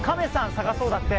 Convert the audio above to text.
探そうだって。